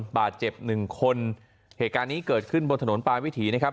บาดเจ็บหนึ่งคนเหตุการณ์นี้เกิดขึ้นบนถนนปลายวิถีนะครับ